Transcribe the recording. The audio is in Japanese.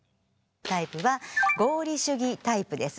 タイプは合理主義タイプです。